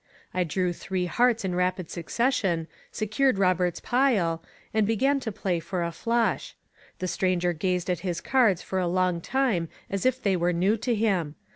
I drew three hearts in rapid succession, se cured Roberts' pile, and began to play for a flush. The stranger gazed at his cards for a long time as if they were new to him.